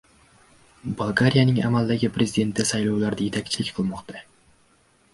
Bolgariyaning amaldagi prezidenti saylovlarda yetakchilik qilmoqda